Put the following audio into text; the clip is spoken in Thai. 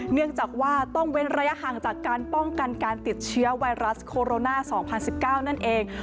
เนื่องจากว่าต้องเว้นระยะห่างจากการป้องกันการติดเชื้อไวรัสโคโรนา๒๐๑๙นั่นเอง